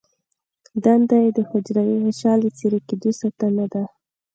دنده یې د حجروي غشا له څیرې کیدو ساتنه ده.